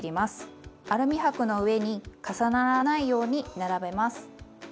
アルミ箔の上に重ならないように並べます。